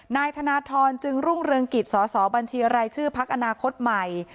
นายธนทรจึงรุ่งเรืองกิจสสบัญชีรายชื่อพักอนาคตใหม่